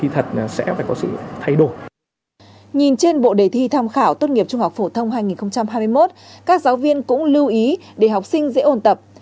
nhìn trên bộ đề thi tham khảo tốt nghiệp trung học phổ thông hai nghìn hai mươi một các giáo viên cũng lưu ý để học sinh dễ ôn tập